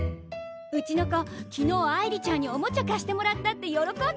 うちの子昨日愛梨ちゃんにオモチャ貸してもらったって喜んでました。